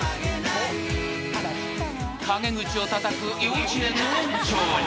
［陰口をたたく幼稚園の園長に］